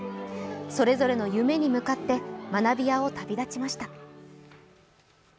それぞれの夢に向かって学びやを旅立ちました。